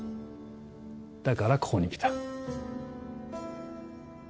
だからここに来た。